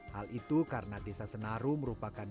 hal itu karena desa senaru merupakan